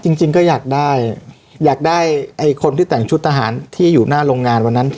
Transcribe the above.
จริงจริงก็อยากได้อยากได้ไอ้คนที่แต่งชุดทหารที่อยู่หน้าโรงงานวันนั้น